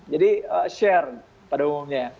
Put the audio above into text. jadi share pada umumnya